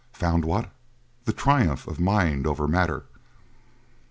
Found what? The triumph of mind over matter!